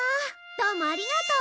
どうもありがとう。